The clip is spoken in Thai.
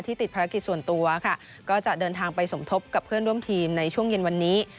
ติดภารกิจส่วนตัวค่ะก็จะเดินทางไปสมทบกับเพื่อนร่วมทีมในช่วงเย็นวันนี้